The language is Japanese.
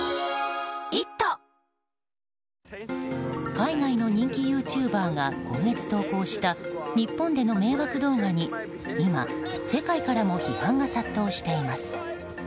海外の人気ユーチューバーが今月投稿した日本での迷惑動画に今、世界からも批判が殺到しています。